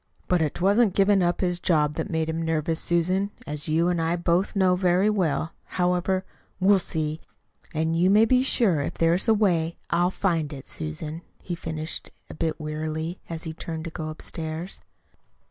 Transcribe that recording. "But 'twasn't giving up his job that's made him nervous, Susan, as you and I both know very well. However, we'll see. And you may be sure if there is a way I'll find it, Susan," he finished a bit wearily, as he turned to go upstairs.